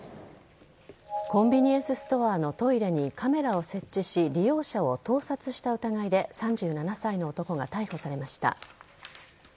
コンビニエンスストアのトイレにカメラを設置し利用者を盗撮した疑いで３７歳の男が逮捕されました。